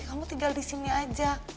kamu tinggal di sini aja